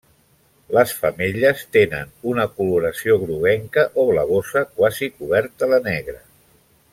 Les femelles tenen una coloració groguenca o blavosa quasi coberta de negre.